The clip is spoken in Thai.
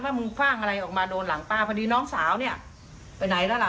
มึงคว่างอะไรออกมาโดนหลังป้าพอดีน้องสาวเนี่ยไปไหนแล้วล่ะ